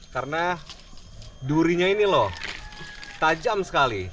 karena durinya ini loh tajam sekali